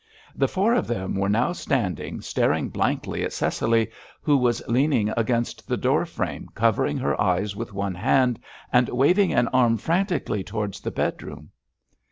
The four of them were now standing staring blankly at Cecily, who was leaning against the door frame covering her eyes with one hand and waving an arm frantically towards the bedroom.